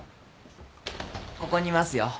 ここにいますよ。